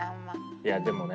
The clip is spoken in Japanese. いやでもね